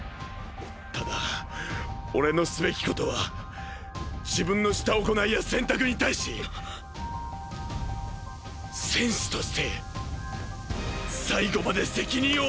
ただ俺のすべきことは自分のした行いや選択に対し戦士として最後まで責任を果たすことだ。